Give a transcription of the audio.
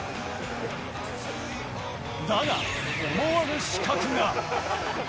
だが、思わぬ刺客が。